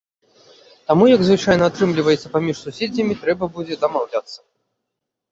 Таму, як звычайна атрымліваецца паміж суседзямі, трэба будзе дамаўляцца.